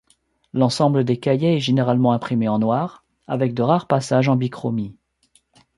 L'ensemble des cahiers est généralement imprimé en noir avec de rares passages en bichromie.